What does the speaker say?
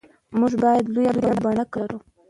موږ باید لویه پانګه ولرو.